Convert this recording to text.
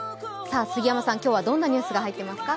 杉山さん、今日はどんなニュースが入っていますか。